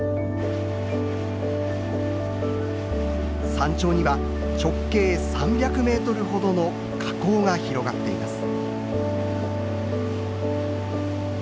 山頂には直径３００ｍほどの火口が広がっています。